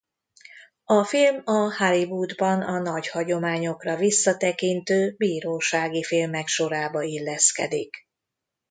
A film a Hollywoodban a nagy hagyományokra visszatekintő bírósági filmek sorába illeszkedik.